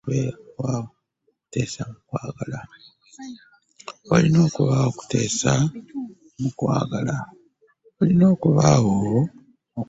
Walina okubaawo okuteesa mu kwagala.